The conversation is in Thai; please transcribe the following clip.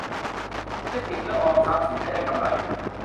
เทคนิคเลือกออมทรัพย์สินให้ได้กำไร